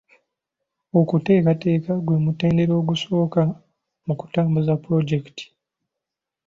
Okuteekateeka gwe mutendera ogusooka mu kutambuza pulojekiti.